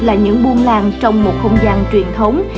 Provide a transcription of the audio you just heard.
là những buôn làng trong một không gian truyền thống